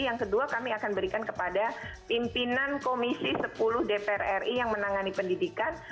yang kedua kami akan berikan kepada pimpinan komisi sepuluh dpr ri yang menangani pendidikan